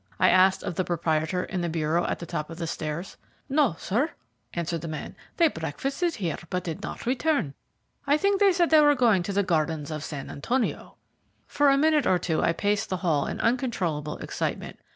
I asked of the proprietor in the bureau at the top of the stairs. "No, sir," answered the man; "they breakfasted here, but did not return. I think they said they were going to the gardens of San Antonio." For a minute or two I paced the hall in uncontrollable excitement.